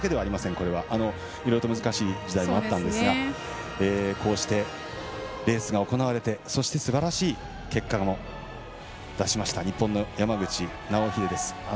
これは、いろいろと難しい時代もあったんですがこうして、レースが行われてそして、すばらしい結果を出した日本の山口尚秀です。